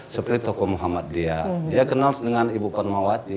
seperti tokoh muhammad dia dia kenal dengan ibu panmawati